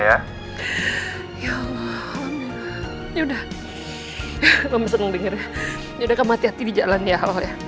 ya allah alhamdulillah yaudah mama sering denger yaudah kamu hati hati di jalan ya allah ya